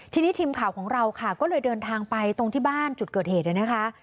ทีนี้ทีมข่าวของเราค่ะก็เลยเดินทางไปตรงที่บ้านจุดเกิดเหตุเลยนะคะ